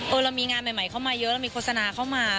เรามีงานใหม่เข้ามาเยอะเรามีโฆษณาเข้ามา